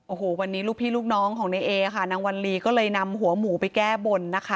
โอ้โหวันนี้ลูกพี่ลูกน้องของในเอค่ะนางวันลีก็เลยนำหัวหมูไปแก้บนนะคะ